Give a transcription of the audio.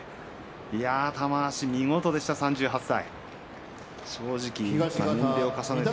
玉鷲見事でした３８歳。